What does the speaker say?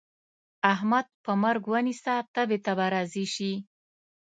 احمد په مرګ ونيسه؛ تبې ته به راضي شي.